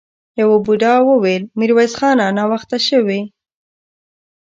يوه بوډا وويل: ميرويس خانه! ناوخته شوې!